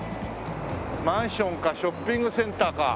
マンションかショッピングセンターか。